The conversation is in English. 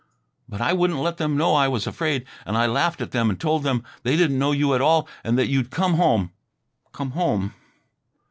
" but I wouldn't let them know I was afraid. And I laughed at them and told them they didn't know you at all and that you'd come home come home."